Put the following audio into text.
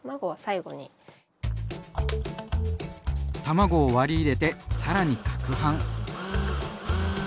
卵を割り入れて更にかくはん。